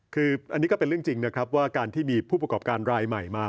คืออันนี้ก็เป็นเรื่องจริงนะครับว่าการที่มีผู้ประกอบการรายใหม่มา